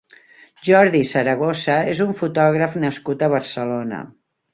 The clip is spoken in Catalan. Jordi Saragossa és un fotògraf nascut a Barcelona.